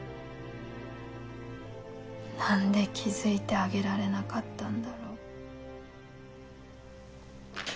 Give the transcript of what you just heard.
何で気付いてあげられなかったんだろう。